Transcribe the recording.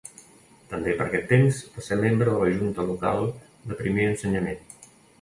També per aquest temps va ser membre de la Junta local de Primer Ensenyament.